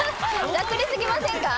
ざっくりすぎませんか？